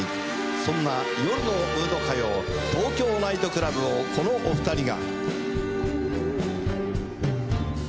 そんな夜のムード歌謡『東京ナイト・クラブ』をこのお二人が。